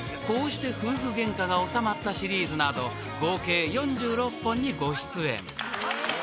［こうして夫婦ゲンカが収まったシリーズなど合計４６本にご出演］